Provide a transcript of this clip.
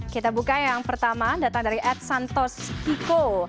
kita buka yang pertama datang dari ed santos kiko